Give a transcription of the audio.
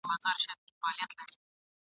زه د هري نغمې شرنګ یم زه د هري شپې سهار یم !.